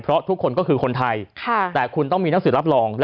เพราะทุกคนคือคนไทย